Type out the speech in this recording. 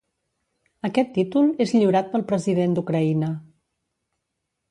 Aquest títol és lliurat pel President d'Ucraïna.